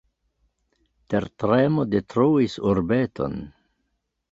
Tertremo detruis urbeton.